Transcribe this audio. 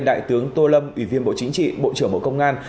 đại tướng tô lâm ủy viên bộ chính trị bộ trưởng bộ công an